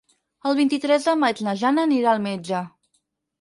El vint-i-tres de maig na Jana anirà al metge.